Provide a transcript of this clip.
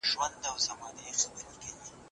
الوتکه په رن وې باندې ودرېده.